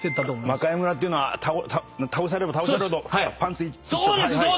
『魔界村』っていうのは倒されれば倒されるほどパンツ一丁はいはい。